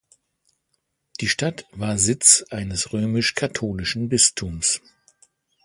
Die Stadt war Sitz eines römisch-katholischen Bistums.